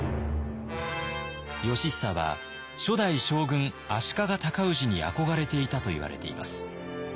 義尚は初代将軍足利尊氏に憧れていたといわれています。